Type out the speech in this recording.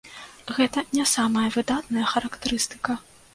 Гэта не самая выдатная характарыстыка.